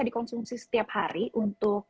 dikonsumsi setiap hari untuk